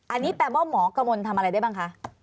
อันนี้แปลว่าหมอกระมวลทำอะไรได้บ้างคะ